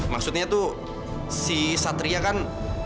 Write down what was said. maksudnya tuh si satria kan